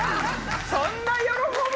そんな喜ぶ？